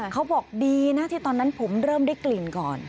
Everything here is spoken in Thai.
เขาบอกดีนะที่ตอนนั้นผมเริ่มได้กลิ่นก่อน